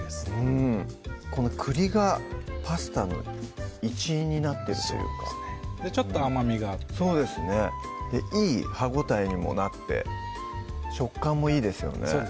この栗がパスタの一員になってるというかちょっと甘みがあってそうですねいい歯応えにもなって食感もいいですよね